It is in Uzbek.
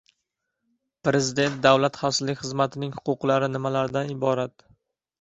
Prezident davlat xavfsizlik xizmatining huquqlari nimalardan iborat?